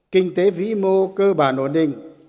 kinh tế vĩ mô cơ bản ổn định